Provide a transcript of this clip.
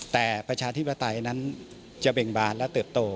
แต่ประชาธิปไตยนั้นจะเบ่งบานและเติบโต